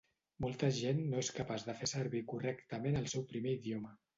Molta gent no és capaç de fer servir correctament el seu primer idioma.